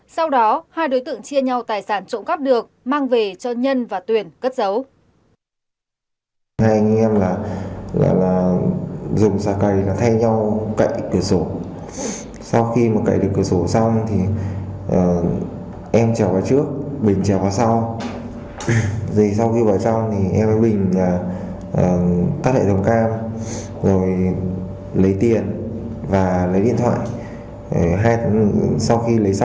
sau đó hai đối tượng chia nhau tài sản trụng cắp được mang về cho nhân và tuyển cất giấu